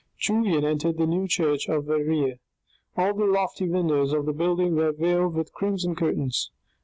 Julien entered the new church of Verrieres. All the lofty windows of the building were veiled with crimson curtains.